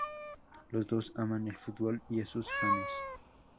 Los dos aman el fútbol y a sus fanes.